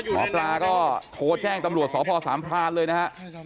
หมอปลาก็โทรแจ้งตำรวจสพสามพรานเลยนะฮะ